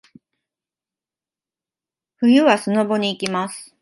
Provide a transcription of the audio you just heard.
冬はスノボに行きます。